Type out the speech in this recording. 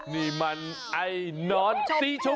นี่มันไอ้นอนสีชม